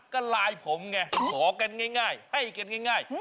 ก็ไลน์ผมไงขอกันง่ายให้กันง่าย